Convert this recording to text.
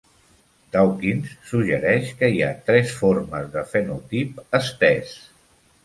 Dawkins suggereix que hi ha tres formes de fenotip estès.